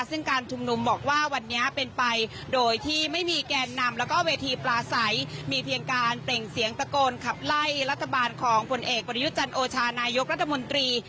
ซึ่งการชุมนุมบอกว่าวันนี้เป็นไปโดยที่ไม่มีแกนนำแล้วก็เวทีปลาใสมีเพียงการเปล่งเสียงตะโกนขับไล่รัฐบาลของผลเอกประยุจันโอชานายกรัฐมนตรี